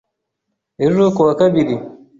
ejo ku wa kabiri